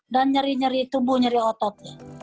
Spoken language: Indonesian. dan nyeri nyeri tubuh nyeri otot